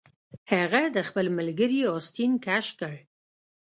هغه د خپل ملګري آستین کش کړ